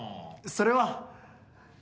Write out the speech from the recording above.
それは。